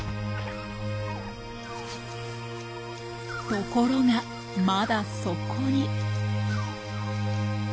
ところがまだそこに。